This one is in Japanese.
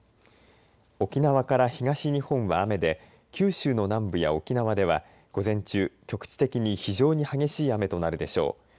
沖縄から東日本は雨で九州の南部や沖縄では午前中、局地的に非常に激しい雨となるでしょう。